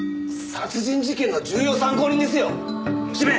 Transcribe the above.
殺人事件の重要参考人ですよ？